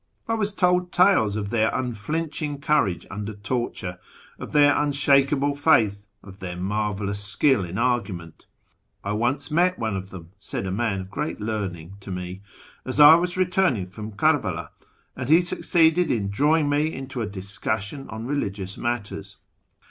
I was told tales of their nnllinching courage under torture, of their unshakeable faith, of their marvellous skill in ar«jjument. " I once met one of them," said a man of great learning to me, " as I was returning from Kerbehi, and he succeeded in drawing me into a discussion on religious matters.